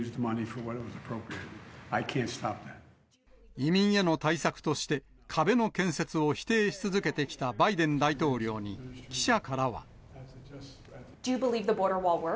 移民への対策として、壁の建設を否定し続けてきたバイデン大統領に記者からは。